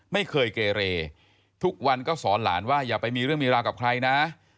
ไม่เคยเกเรทุกวันก็สอนหลานว่าอย่าไปมีเรื่องมีราวกับใครนะ